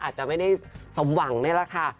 อาจจะไม่ได้สมหวังนี่แหละค่ะ